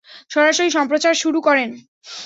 সরাসরি সম্প্রচার শুরু করেন।